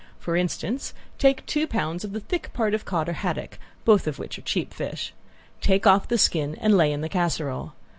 For instance, take two pounds of the thick part of cod or haddock, both of which are cheap fish. Take off the skin and lay in the casserole.